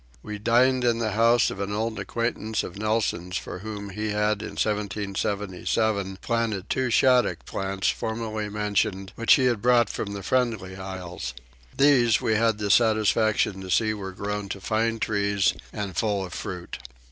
We dined in the house of an old acquaintance of Nelson's for whom he had in 1777 planted the two shaddock plants formerly mentioned which he had brought from the Friendly Islands. These we had the satisfaction to see were grown to fine trees and full of fruit.